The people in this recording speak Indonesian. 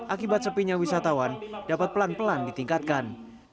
akibat sepinya wisatawan dapat pelan pelan ditingkatkan